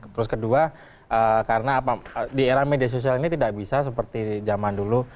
terus kedua karena di era media sosial ini tidak bisa seperti zaman dulu